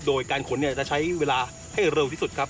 โดยการขนจะใช้เวลาให้เร็วที่สุดครับ